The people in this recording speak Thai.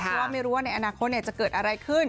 เพราะว่าไม่รู้ว่าในอนาคตจะเกิดอะไรขึ้น